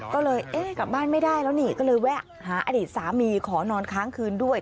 ก็เลยเอ๊ะกลับบ้านไม่ได้แล้วนี่ก็เลยแวะหาอดีตสามีขอนอนค้างคืนด้วย